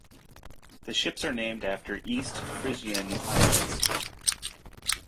The ships are named after East Frisian Islands.